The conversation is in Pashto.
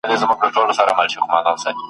ستا په لاس هتکړۍ وینم بې وسۍ ته مي ژړېږم ..